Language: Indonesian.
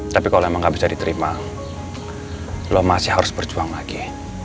tapi kalau emang nggak bisa diterima lo masih harus berjuang lagi